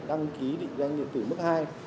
đăng ký định danh định danh mức hai